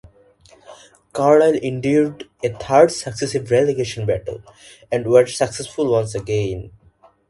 Carlisle endured a third successive relegation battle and were successful once again.